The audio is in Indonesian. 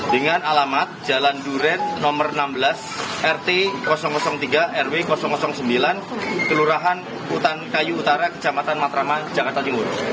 dengan alamat jalan duren nomor enam belas rt tiga rw sembilan kelurahan utan kayu utara kecamatan matraman jakarta timur